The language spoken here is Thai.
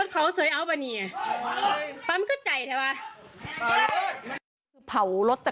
บ๊วยโนไมนี่ไงสว๊ินาธิ์มาตรีอยู่เพียงเหนะ